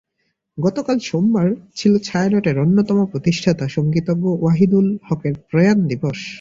গতকাল সোমবার ছিল ছায়ানটের অন্যতম প্রতিষ্ঠাতা, সংগীতজ্ঞ ওয়াহিদুল হকের প্রয়াণ দিবস।